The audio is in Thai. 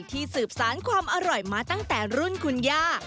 สืบสารความอร่อยมาตั้งแต่รุ่นคุณย่า